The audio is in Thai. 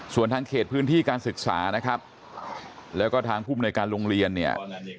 ส่วนทางเขตพื้นที่การศึกษานะครับแล้วก็ทางภูมิในการโรงเรียนเนี่ย